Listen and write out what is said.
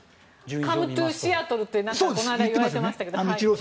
カムトゥーシアトルってこの前言われてましたけど。